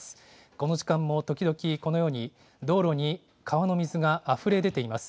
この時間も時々、このように道路に川の水があふれ出ています。